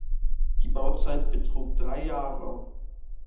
Die Bauzeit betrug drei Jahre.